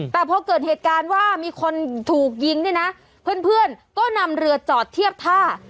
แต่พอเกิดเหตุการณ์ว่ามีคนถูกยิงเนี่ยนะเพื่อนก็นำเรือจอดเทียบท่า